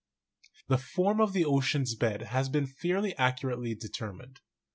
The form of the ocean's bed has been fairly accurately determined.